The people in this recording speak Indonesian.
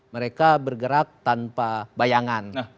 mereka bergerak tanpa bayangan